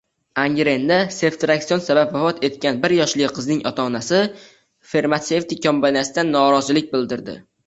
Angrenda Seftriakson sabab vafot etgano´n biryoshli qizning ota-onasi farmatsevtika kompaniyasidan noroziligini bildirdi